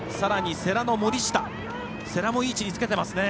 世羅もいい位置につけてますね。